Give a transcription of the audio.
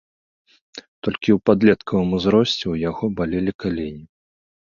Толькі ў падлеткавым узросце ў яго балелі калені.